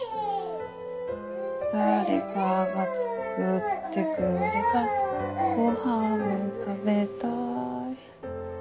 「誰かが作ってくれたご飯を食べたい」